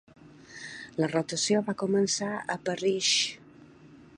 La rotació va començar a Parrish.